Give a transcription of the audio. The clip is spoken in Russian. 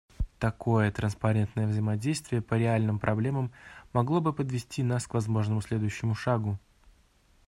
Такое транспарентное взаимодействие по реальным проблемам могло бы подвести нас к возможному следующему шагу.